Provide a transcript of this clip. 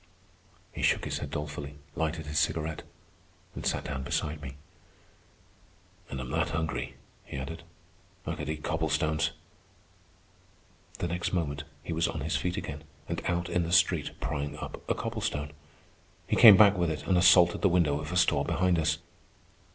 He shook his head dolefully, lighted his cigarette, and sat down beside me. "And I'm that hungry," he added, "I could eat cobblestones." The next moment he was on his feet again and out in the street prying up a cobblestone. He came back with it and assaulted the window of a store behind us.